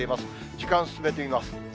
時間進めてみます。